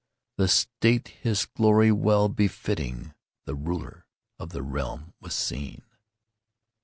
In state his glory well befitting, The ruler of the realm was seen.